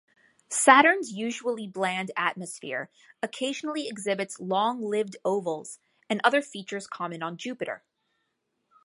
Saturn's usually bland atmosphere occasionally exhibits long-lived ovals and other features common on Jupiter.